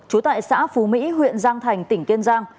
trú tại xã phú mỹ huyện giang thành tỉnh kiên giang